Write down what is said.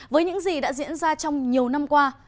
với những gì đã diễn ra trong nhiều năm qua